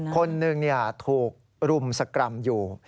คนหนึ่งถูกรุมสกรรมอยู่